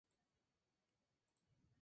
Se trataba de "Norman, Is That You?